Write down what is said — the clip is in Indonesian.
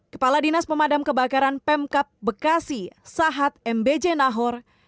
kepala dinas pemadam kebakaran pemkap bekasi sahat mbj nahor